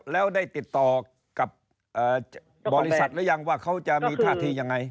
แล้วได้ติดต่อกับบริษัทหรือยังว่าเขาจะมีท่าทียังไง